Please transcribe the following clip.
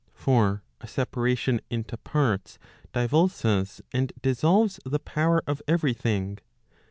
For a separation into parts divulses and dissolves the power of every thing.